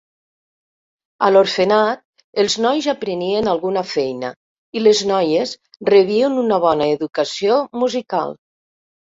A l'orfenat, els nois aprenien alguna feina i les noies rebien una bona educació musical.